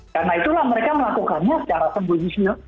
karena itulah mereka melakukannya secara sembunyi